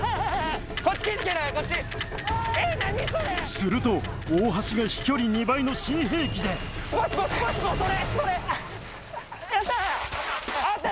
すると大橋が飛距離２倍の新兵器でよっしゃ！